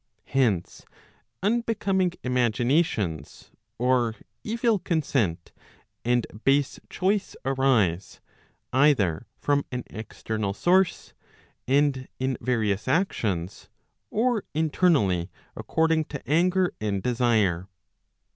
Hence unbecoming imaginations, or evil consent and base choice arise, either from an external source and in various actions, or internally according to anger and desire.